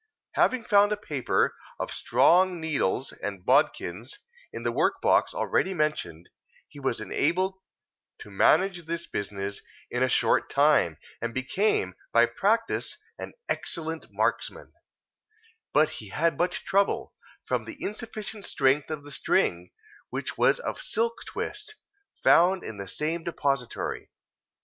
Having found a paper of strong needles and bodkins, in the work box already mentioned, he was enabled to manage this business in a short time, and became, by practice, an excellent marksman; but he had much trouble, from the insufficient strength of the string, which was of silk twist, found in the same depository.